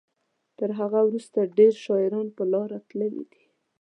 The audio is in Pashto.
تر هغه وروسته ډیر شاعران پر لاره تللي دي.